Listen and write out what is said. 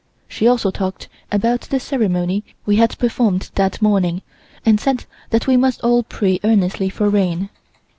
She also talked about the ceremony we had performed that morning and said that we must all pray earnestly for rain.